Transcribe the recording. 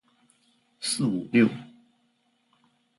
四五六